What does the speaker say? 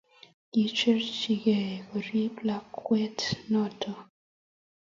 Koicherchikey korip lakwa notok